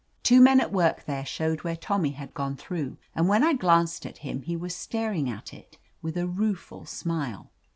Two men at work there showed where Tommy had gone through, and when I glanced at him he was staring at it with a rueful smile.